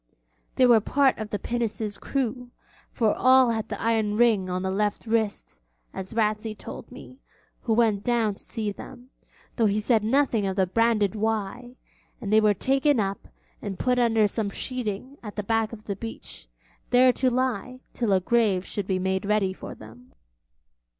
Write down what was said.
They were part of the pinnace's crew, for all had the iron ring on the left wrist, as Ratsey told me, who went down to see them, though he said nothing of the branded 'Y', and they were taken up and put under some sheeting at the back of the beach, there to lie till a grave should be made ready for them.